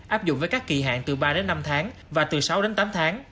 áp dụng với các kỳ hạn từ ba đến năm tháng và từ sáu đến tám tháng